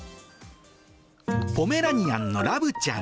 ポメラニアンのラブちゃん。